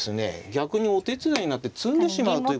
逆にお手伝いになって詰んでしまうという。